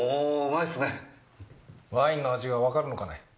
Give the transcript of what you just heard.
ワインの味がわかるのかね？